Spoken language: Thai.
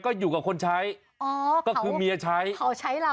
ก็อยู่กับคนใช้ก็คือเมียใช้